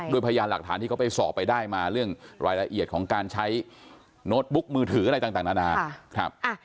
พยานหลักฐานที่เขาไปสอบไปได้มาเรื่องรายละเอียดของการใช้โน้ตบุ๊กมือถืออะไรต่างนานาครับ